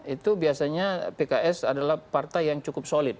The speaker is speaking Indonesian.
itu biasanya pks adalah partai yang cukup solid